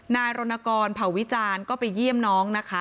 นายรณกรเผ่าวิจารณ์ก็ไปเยี่ยมน้องนะคะ